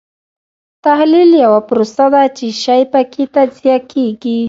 تحلیل یوه پروسه ده چې شی پکې تجزیه کیږي.